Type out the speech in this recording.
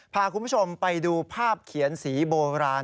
พาคุณผู้ชมไปดูภาพเขียนสีโบราณ